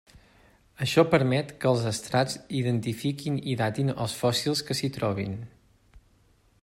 Això permet que els estrats identifiquin i datin els fòssils que s'hi trobin.